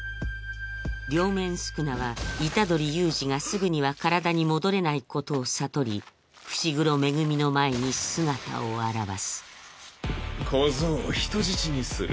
両面宿儺は虎杖悠仁がすぐには体に戻れないことを悟り伏黒恵の前に姿を現す小僧を人質にする。